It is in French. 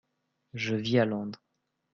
Je vis à Londres.